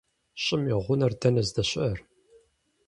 ЩӀым и гъунэр дэнэ здэщыӏэр?